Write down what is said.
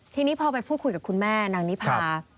ทีนี้พอไปพูดคุยกับคุณแม่นางนิพา